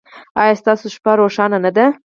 ایا ستاسو شپه روښانه نه ده؟